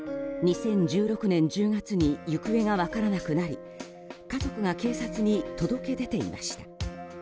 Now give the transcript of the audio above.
２０１６年１０月に行方が分からなくなり家族が警察に届け出ていました。